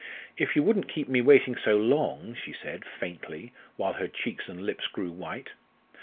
"If you wouldn't keep me waiting so long," she said faintly, while her cheeks and lips grew white.